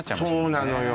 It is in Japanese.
そうなのよ